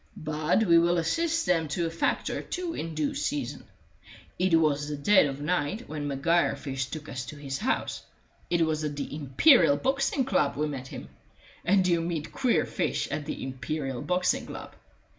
But we will assist them to a fact or two in due season. It was the dead of night when Maguire first took us to his house; it was at the Imperial Boxing Club we met him; and you meet queer fish at the Imperial Boxing Club.